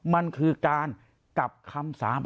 เสียชีวิต